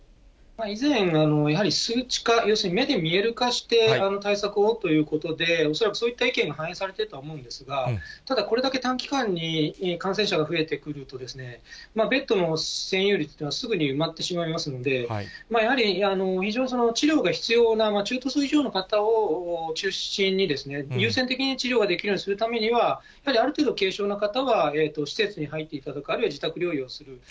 以前、やはり数値化、要するに目で見える化して対策をということで、恐らくそういった意見が反映されているとは思うんですが、ただこれだけ短期間に感染者が増えてくると、ベッドの占有率というのはすぐに埋まってしまいますんで、やはり治療が必要な中等症以上の方を中心に優先的に治療ができるようにするためには、やっぱりある程度軽症の方が施設に入っていただく、あるいは自宅療養する。